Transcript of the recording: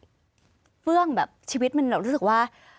แต่ว่ามีไปทำแล้วก็รู้สึกว่าเฮ้ยเฟื่องแบบชีวิตมันแบบรู้สึกว่า